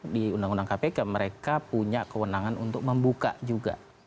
di undang undang kpk mereka punya kewenangan untuk membuka juga